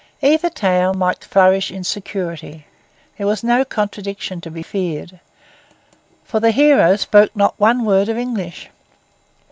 Either tale might flourish in security; there was no contradiction to be feared, for the hero spoke not one word of English.